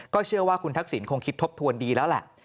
เชื่อว่าคุณทักษิณคงคิดทบทวนดีแล้วแหละ